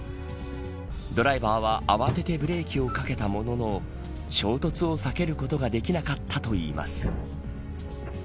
ドライバーは慌ててブレーキをかけたものの衝突を避けることができなかったといいます。